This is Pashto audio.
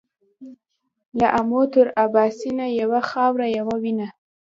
له امو تر اباسينه يوه خاوره يوه وينه.